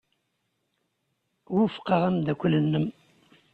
Wufqeɣ ameddakel-nnem.